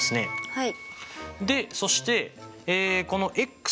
はい。